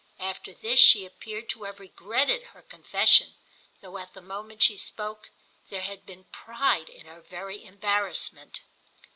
After this she appeared to have regretted her confession, though at the moment she spoke there had been pride in her very embarrassment.